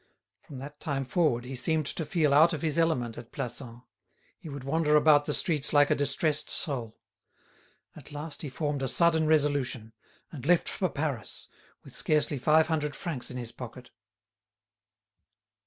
From that time forward he seemed to feel out of his element at Plassans. He would wander about the streets like a distressed soul. At last he formed a sudden resolution, and left for Paris, with scarcely five hundred francs in his pocket.